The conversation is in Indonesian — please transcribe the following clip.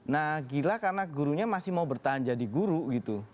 nah gila karena gurunya masih mau bertahan jadi guru gitu